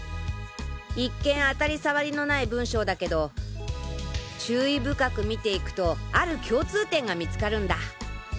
一見当たりさわりのない文章だけど注意深く見ていくとある共通点が見つかるんだ。